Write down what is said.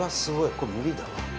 これ無理だわ。